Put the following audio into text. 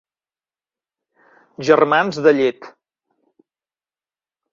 Germans de llet.